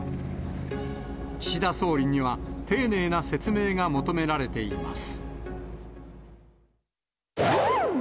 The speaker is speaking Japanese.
岸田総理には、丁寧な説明が求められています。